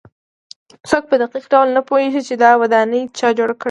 څوک په دقیق ډول نه پوهېږي چې دا ودانۍ چا جوړې کړې.